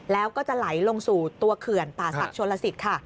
แล้วก็จะไหลลงสู่ตัวเขื่อนป่าศักดิชนลสิตค่ะ